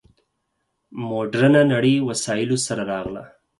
مډرنه نړۍ وسایلو سره راغله.